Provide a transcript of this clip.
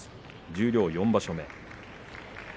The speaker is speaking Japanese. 十両４場所目。